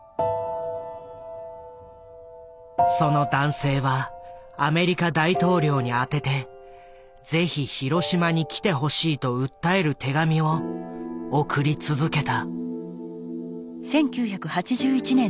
その男性はアメリカ大統領に宛てて是非広島に来てほしいと訴える手紙を送り続けた。